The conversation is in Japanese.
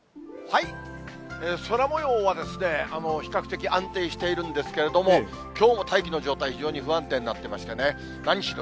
空もようは比較的安定しているんですけれども、きょうも大気の状態、非常に不安定になってましてね、何しろ